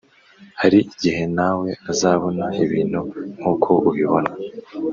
Hari igihe na we azabona ibintu nk uko ubibona